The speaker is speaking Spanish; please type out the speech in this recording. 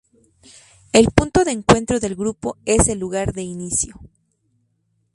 El punto de encuentro del grupo es el lugar de inicio.